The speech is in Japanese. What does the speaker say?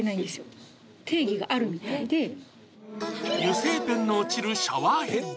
あれ油性ペンの落ちるシャワーヘッド